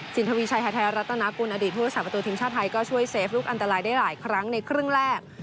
ทวีชัยฮาไทยรัฐนากุลอดีตผู้รักษาประตูทีมชาติไทยก็ช่วยเซฟลูกอันตรายได้หลายครั้งในครึ่งแรก